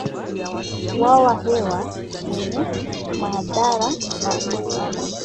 wawa hewa wenye madhara makubwa km